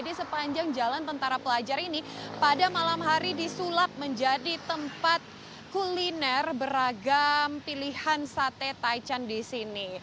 di sepanjang jalan tentara pelajar ini pada malam hari disulap menjadi tempat kuliner beragam pilihan sate taichan di sini